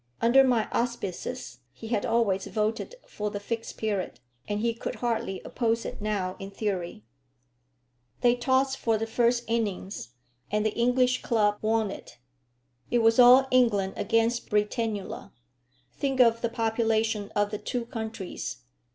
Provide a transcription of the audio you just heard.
Under my auspices he had always voted for the Fixed Period, and he could hardly oppose it now in theory. They tossed for the first innings, and the English club won it. It was all England against Britannula! Think of the population of the two countries.